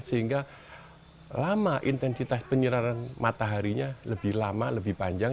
sehingga intensitas penyeraran mataharinya lebih lama lebih panjang